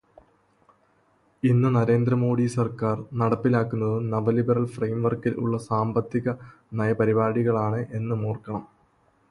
ഇന്നു നരേന്ദ്ര മോഡി സർക്കാർ നടപ്പിലാക്കുന്നതും നവ-ലിബെറൽ ഫ്രെയിംവർക്കിൽ ഉള്ള സാമ്പത്തികനയപരിപാടികളാണ് എന്നതുമോർക്കണം.